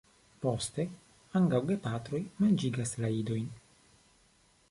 Poste ambaŭ gepatroj manĝigas la idojn.